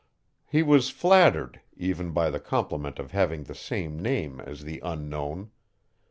He was flattered, even by the compliment of having the same name as the unknown.